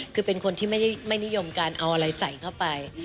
คือเป็นคนที่ไม่นิยมการเอาอะไรใส่เข้าไป